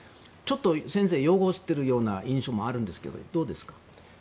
先生、擁護してるような印象もあるんですけどどうですか？